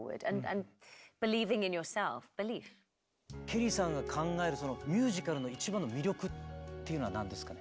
ケリーさんが考えるミュージカルの一番の魅力っていうのは何ですか？